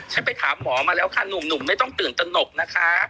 ไปถามหมอมาแล้วค่ะหนุ่มไม่ต้องตื่นตนกนะคะ